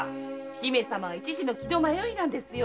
姫様は一時の気の迷いですよ。